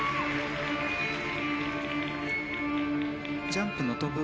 ジャンプの跳ぶ